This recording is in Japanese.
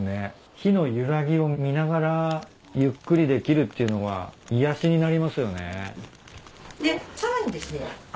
火の揺らぎを見ながらゆっくりできるっていうのが癒やしになりますよね。